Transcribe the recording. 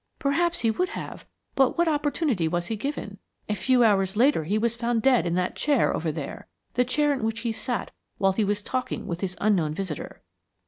"Perhaps he would have, but what opportunity was he given? A few hours later, he was found dead in that chair over there; the chair in which he sat while he was talking with his unknown visitor."